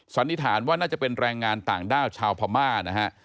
สันนิษฐานว่าน่าจะเป็นแรงงานต่างด้าวชาวพม่านะฮะ